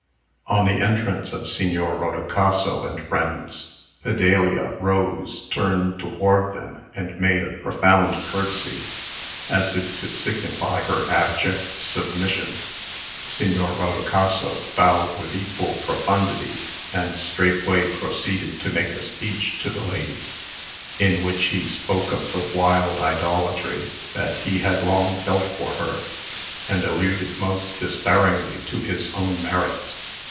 On the entrance of Signor Rodicaso and friends, Fidelia rose, turned toward them, and made a profound courtesy, as if to signify her abject submission. Signor Rodicaso bowed with equal profundity, and straightway proceeded to make a speech to the lady, in which he spoke of the wild idolatry that he had long felt for her, and alluded most disparagingly to his own merits.